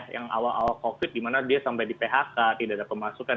yang awal awal covid di mana dia sampai di phk tidak ada pemasukan